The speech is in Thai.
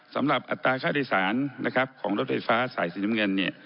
สำหรับอัตราค่าโดยสารของรถไฟฟ้าสายสีน้ำเงิน